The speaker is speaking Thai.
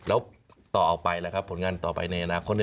แล้วต่อออกไปผลงานต่อไปในอนาคต